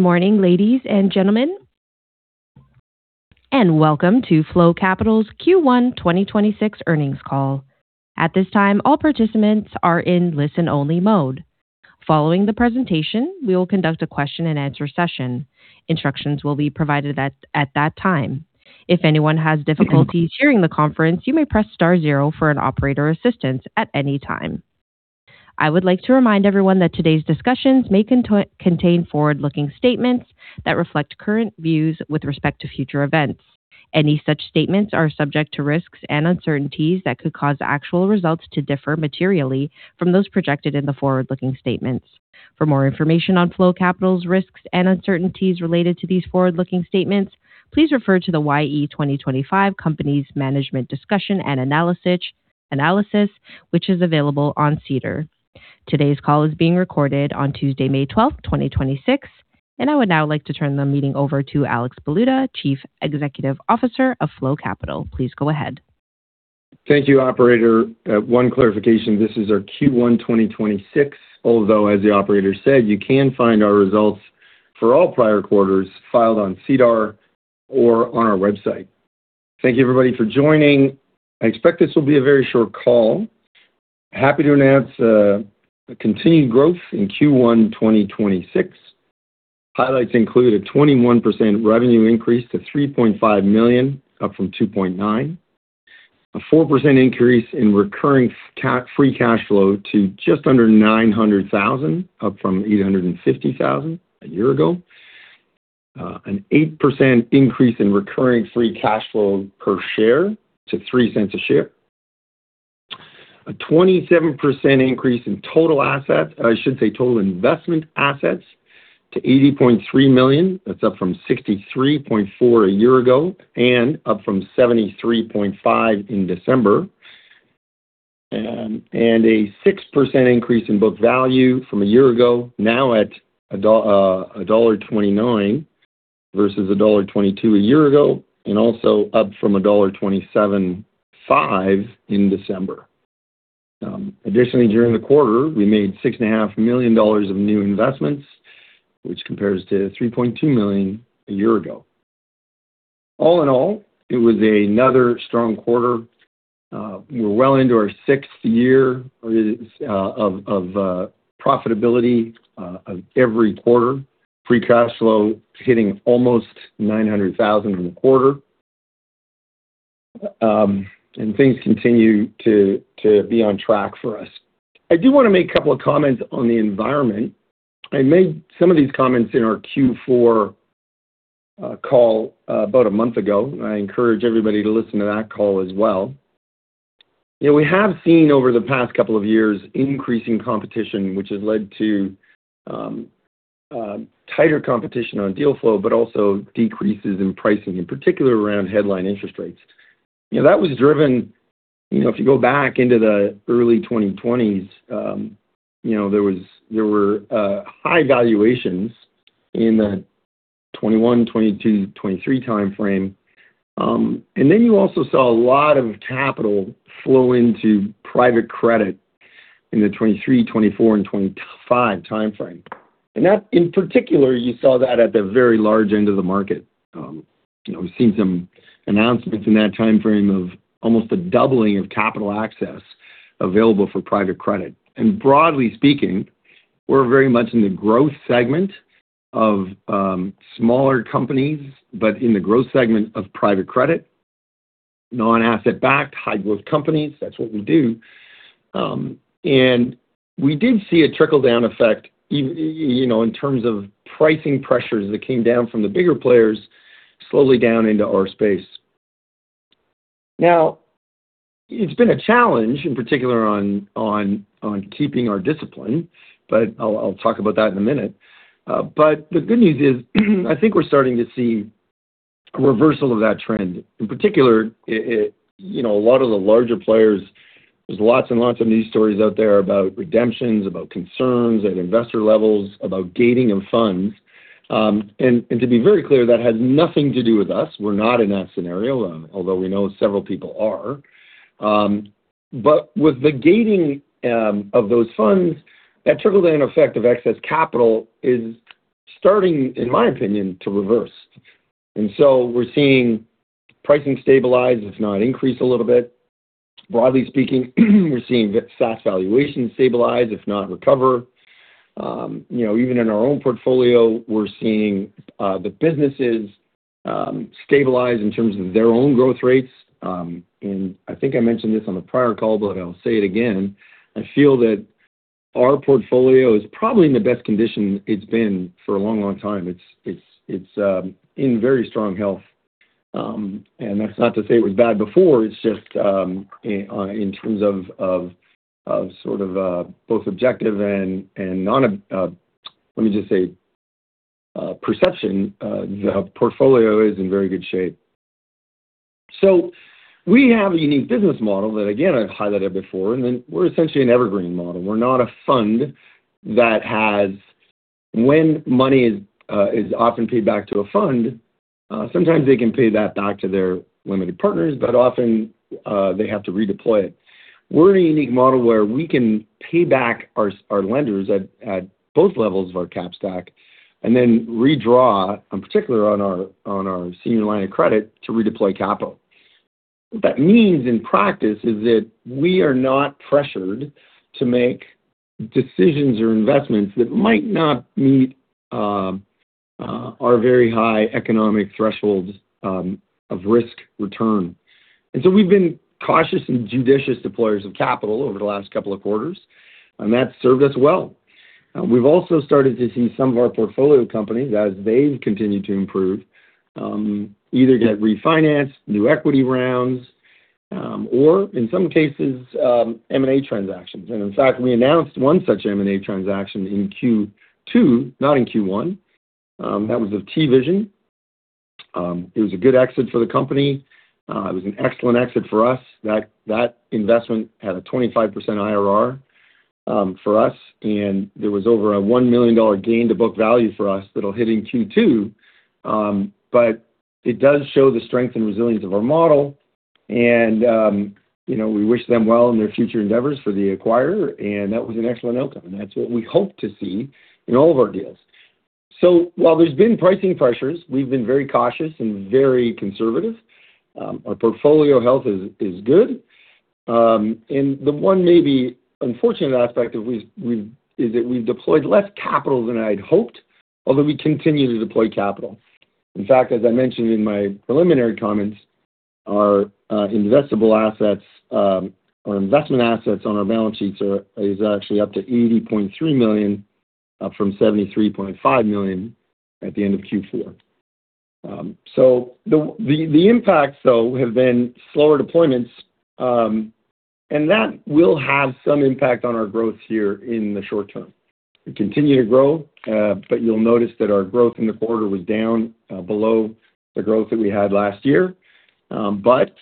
Morning, ladies and gentlemen, and welcome to Flow Capital's Q1 2026 earnings call. At this time, all participants are in listen-only mode. Following the presentation, we will conduct a question and answer session. Instructions will be provided at that time. If anyone has difficulty hearing the conference, you may press star zero for an operator assistance at any time. I would like to remind everyone that today's discussions may contain forward-looking statements that reflect current views with respect to future events. Any such statements are subject to risks and uncertainties that could cause actual results to differ materially from those projected in the forward-looking statements. For more information on Flow Capital's risks and uncertainties related to these forward-looking statements, please refer to the YE 2025 company's management discussion and analysis, which is available on SEDAR. Today's call is being recorded on Tuesday, May 12th, 2026, and I would now like to turn the meeting over to Alex Baluta, Chief Executive Officer of Flow Capital. Please go ahead. Thank you, operator. One clarification, this is our Q1 2026. Although, as the operator said, you can find our results for all prior quarters filed on SEDAR or on our website. Thank you everybody for joining. I expect this will be a very short call. Happy to announce a continued growth in Q1 2026. Highlights include a 21% revenue increase to 3.5 million, up from 2.9 million. A 4% increase in Recurring Free Cash Flow to just under 900,000, up from 850,000 a year ago. An 8% increase in Recurring Free Cash Flow per share to 0.03 a share. A 27% increase in total investment assets to 80.3 million. That's up from 63.4 a year ago and up from 73.5 in December. And a 6% increase in book value from a year ago, now at 1.29 dollar versus dollar 1.22 a year ago, and also up from dollar 1.275 in December. Additionally, during the quarter, we made 6.5 million dollars of new investments, which compares to 3.2 million a year ago. All in all, it was another strong quarter. We're well into our sixth year of profitability of every quarter. Free cash flow hitting almost 900,000 in the quarter. Things continue to be on track for us. I do wanna make a couple of comments on the environment. I made some of these comments in our Q4 call about a month ago. I encourage everybody to listen to that call as well. You know, we have seen over the past couple of years increasing competition, which has led to tighter competition on deal flow, but also decreases in pricing, in particular around headline interest rates. You know, that was driven if you go back into the early 2020s, you know, there were high valuations in the 2021, 2022, 2023 timeframe. You also saw a lot of capital flow into private credit in the 2023, 2024, and 2025 timeframe. In particular, you saw that at the very large end of the market. You know, we've seen some announcements in that timeframe of almost a doubling of capital access available for private credit. And broadly speaking, we're very much in the growth segment of smaller companies, but in the growth segment of private credit, non-asset backed, high growth companies. That's what we do. And we did see a trickle-down effect you know, in terms of pricing pressures that came down from the bigger players slowly down into our space. Now, it's been a challenge in particular on keeping our discipline, but I'll talk about that in a minute. But the good news is, I think we're starting to see a reversal of that trend. In particular, you know, a lot of the larger players, there's lots and lots of news stories out there about redemptions, about concerns at investor levels, about gating of funds. To be very clear, that has nothing to do with us. We're not in that scenario, although we know several people are. With the gating of those funds, that trickle-down effect of excess capital is starting, in my opinion, to reverse. And so we're seeing pricing stabilize, if not increase a little bit. Broadly speaking, we're seeing the SaaS valuation stabilize, if not recover. You know, even in our own portfolio, we're seeing the businesses stabilize in terms of their own growth rates. And I think I mentioned this on a prior call, but I'll say it again, I feel that our portfolio is probably in the best condition it's been for a long, long time. It's in very strong health. That's not to say it was bad before, it's just in terms of sort of both objective and let me just say, perception, the portfolio is in very good shape. So, we have a unique business model that again, I've highlighted before, we're essentially an evergreen model. We're not a fund that had when money is often paid back to a fund, sometimes they can pay that back to their limited partners, but often they have to redeploy it. We're a unique model where we can pay back our lenders at both levels of our capital stack and then redraw, on particular on our senior line of credit to redeploy capital. What that means in practice is that we are not pressured to make decisions or investments that might not meet our very high economic thresholds of risk return. We've been cautious and judicious deployers of capital over the last couple of quarters, and that's served us well. We've also started to see some of our portfolio companies as they've continued to improve, either get refinanced, new equity rounds, or in some cases, M&A transactions. In fact, we announced one such M&A transaction in Q2, not in Q1. That was with TVision. It was a good exit for the company. It was an excellent exit for us. That investment had a 25% IRR for us. There was over a 1 million dollar gain to book value for us that'll hit in Q2. It does show the strength and resilience of our model, and you know, we wish them well in their future endeavors for the acquirer, that was an excellent outcome. That's what we hope to see in all of our deals. While there's been pricing pressures, we've been very cautious and very conservative. Our portfolio health is good. The one maybe unfortunate aspect is that we've deployed less capital than I'd hoped, although we continue to deploy capital. In fact, as I mentioned in my preliminary comments, our investable assets, our investment assets on our balance sheets is actually up to 80.3 million, up from 73.5 million at the end of Q4. The impacts, though, have been slower deployments, and that will have some impact on our growth here in the short term. We continue to grow, but you'll notice that our growth in the quarter was down below the growth that we had last year. But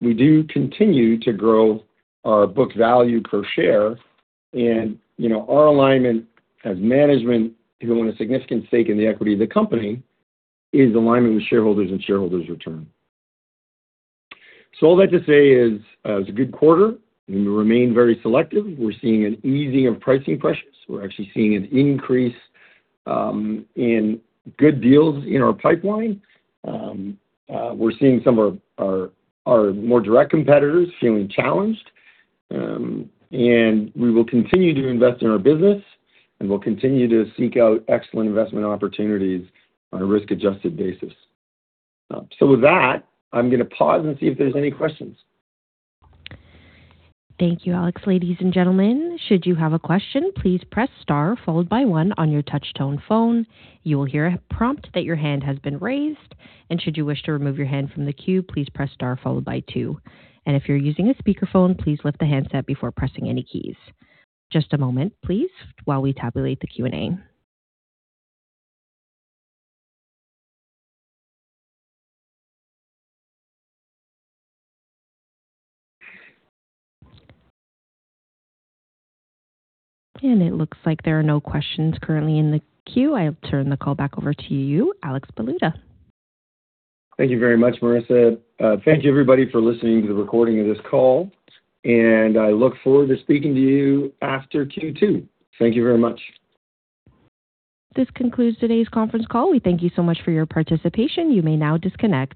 we do continue to grow our book value per share. You know, our alignment as management to own a significant stake in the equity of the company is alignment with shareholders and shareholders' return. All that to say is, it's a good quarter, we remain very selective. We're seeing an easing of pricing pressures. We're actually seeing an increase in good deals in our pipeline. We're seeing some of our more direct competitors feeling challenged. We will continue to invest in our business, and we'll continue to seek out excellent investment opportunities on a risk-adjusted basis. With that, I'm gonna pause and see if there's any questions. Thank you, Alex. Ladies and gentlemen, should you have a question, please press star followed by one on your touch tone phone. You will hear a prompt that your hand has been raised. Should you wish to remove your hand from the queue, please press star followed by two. If you're using a speakerphone, please lift the handset before pressing any keys. Just a moment, please, while we tabulate the Q&A. It looks like there are no questions currently in the queue. I'll turn the call back over to you, Alex Baluta. Thank you very much, Marissa. Thank you everybody for listening to the recording of this call, and I look forward to speaking to you after Q2. Thank you very much. This concludes today's conference call. We thank you so much for your participation. You may now disconnect.